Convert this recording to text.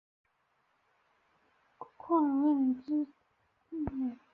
括认知治疗。